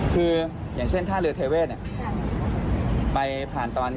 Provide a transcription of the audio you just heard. คืออย่างเช่นถ้าเรือเทเวสไปผ่านตอน๒๑๕๔๐๕